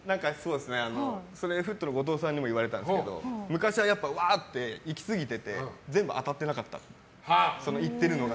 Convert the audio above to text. それフットの後藤さんにも言われたんですけど昔はワー！って行き過ぎてて全部当たってなかった行ってるのが。